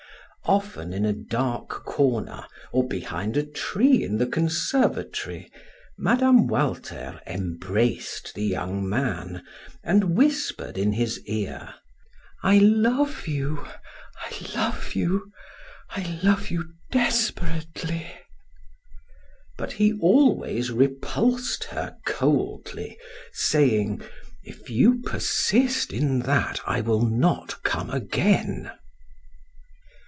Often in a dark corner or behind a tree in the conservatory, Mme. Walter embraced the young man and whispered in his ear: "I love you, I love you! I love you desperately!" But he always repulsed her coldly, saying: "If you persist in that, I will not come again."